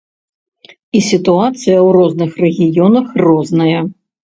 І сітуацыя ў розных рэгіёнах розная.